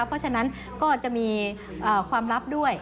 เพราะฉะนั้นก็จะมีความลับด้วย